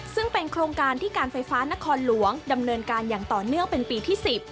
ซึ่งเป็นโครงการที่การไฟฟ้านครหลวงดำเนินการอย่างต่อเนื่องเป็นปีที่๑๐